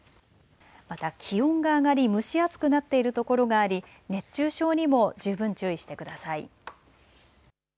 また気温が上がり蒸し暑くなっている所があり熱中症にも十分注意してください。